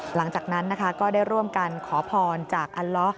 หลังจากนั้นนะคะก็ได้ร่วมกันขอพรจากอัลล้อ